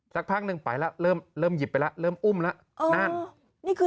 สักพักนึงไปแล้วเริ่มหยิบไปแล้วเริ่มอุ้มแล้ว